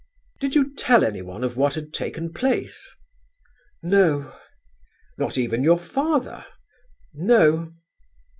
"Did you tell anyone of what had taken place?" "No." "Not even your father?" "No."